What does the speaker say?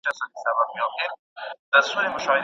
دا چوکاټ د اوږدې مودې لپاره پاته کيږي.